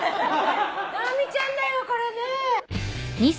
直美ちゃんだよこれね。